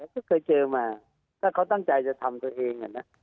ก็เคยเจอมาถ้าเขาตั้งใจจะทำตัวเอง